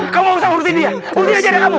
kamu usah ngurutin dia ngurutin aja dia kamu